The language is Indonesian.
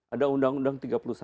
ada undang undang tiga puluh satu